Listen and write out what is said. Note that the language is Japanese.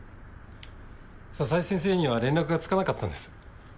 佐々井先生には連絡がつかなかったんです。